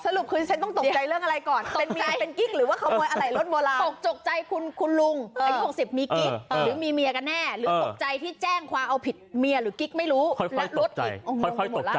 หลบคือคือฉันต้องตกใจเรื่องอะไรก่อน